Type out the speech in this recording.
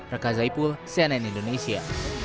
rekha zaipul cnn indonesia